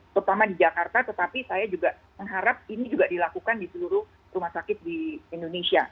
terutama di jakarta tetapi saya juga mengharap ini juga dilakukan di seluruh rumah sakit di indonesia